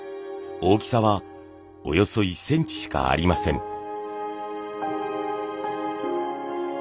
大きさはおよそ１センチしかありません。